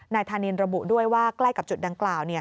ธานินระบุด้วยว่าใกล้กับจุดดังกล่าว